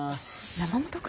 山本君？